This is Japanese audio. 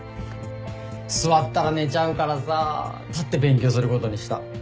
座ったら寝ちゃうからさ立って勉強することにした。